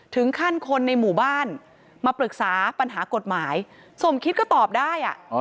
ถึงขั้นคนในหมู่บ้านมาปรึกษาปัญหากฎหมายสมคิดก็ตอบได้